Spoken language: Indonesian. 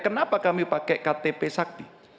kenapa kami pakai ktp sakti